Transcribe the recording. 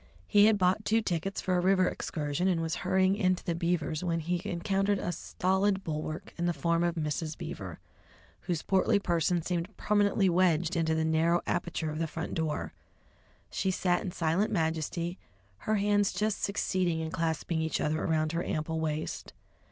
He had bought two tickets for a river excursion, and was hurrying into the Beavers' when he encountered a stolid bulwark in the form of Mrs. Beaver, whose portly person seemed permanently wedged into the narrow aperture of the front door. She sat in silent majesty, her hands just succeeding in clasping each other around her ample waist.